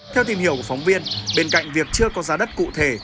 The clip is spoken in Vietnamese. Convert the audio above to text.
theo tìm hiểu của phóng viên bên cạnh việc chưa có giá đất cụ thể